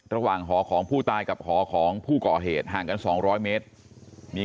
หอของผู้ตายกับหอของผู้ก่อเหตุห่างกัน๒๐๐เมตรมี